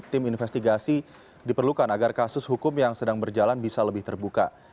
tim investigasi diperlukan agar kasus hukum yang sedang berjalan bisa lebih terbuka